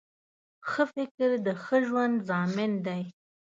ښه فکر د ښه ژوند ضامن دی